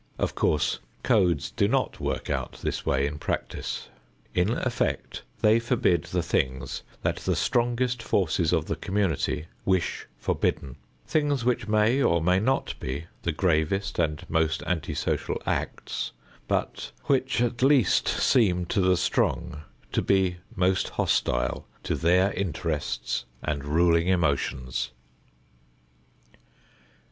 Of course, codes do not work out this way in practice. In effect, they forbid the things that the strongest forces of the community wish forbidden, things which may or may not be the gravest and most anti social acts, but which at least seem to the strong to be most hostile to their interests and ruling emotions.